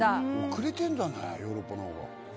遅れてるんだねヨーロッパの方が。